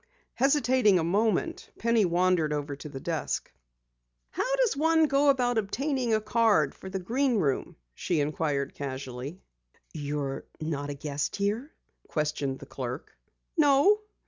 Hesitating a moment, Penny wandered over to the desk. "How does one go about obtaining a card for the Green Room?" she inquired casually. "You're not a guest here?" questioned the clerk. "No."